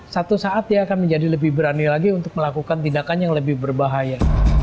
satu saat dia akan menjadi lebih berani lagi untuk melakukan tindakan yang lebih berbahaya